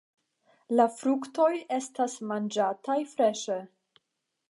La fruktoj estas manĝataj freŝe.